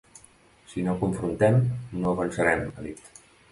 Si no confrontem, no avançarem, ha dit.